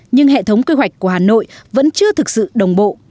nhưng hệ thống quy hoạch của hà nội vẫn chưa thực sự đồng bộ